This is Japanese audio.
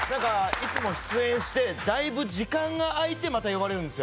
いつも出演して、だいぶ時間が空いて、また呼ばれるんですよ。